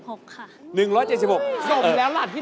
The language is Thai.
เพราะว่ารายการหาคู่ของเราเป็นรายการแรกนะครับ